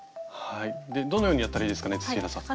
どのようにやったらいいですかね土平さん。